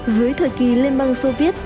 dưới thời kỳ liên bang soviet